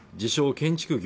建築業